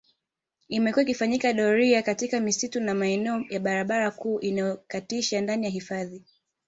Imekuwa ikifanyika doria katika misitu na maeneo ya barabara kuu inayokatisha ndani ya hifadhi